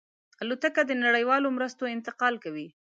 الوتکه د نړیوالو مرستو انتقال کوي.